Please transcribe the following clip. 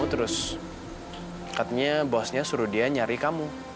terus katanya bosnya suruh dia nyari kamu